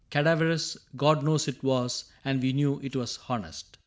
Cadaverous, God knows it was ; and we knew it was honest.